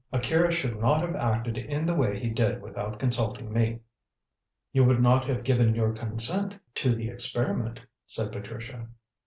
"Akira should not have acted in the way he did without consulting me." "You would not have given your consent to the experiment," said Patricia.